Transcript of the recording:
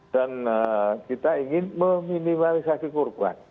dan kita ingin meminimalisasi korban